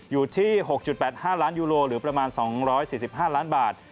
อยู่ที่๖๘๕ล้านยูโรหรือประมาณ๒๔๕ล้านบาท